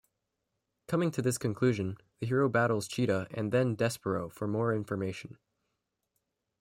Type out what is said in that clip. Coming to this conclusion, the hero battles Cheetah and then Despero for more information.